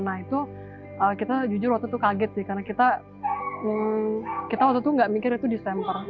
nah itu kita jujur waktu itu kaget sih karena kita waktu itu gak mikir itu disamper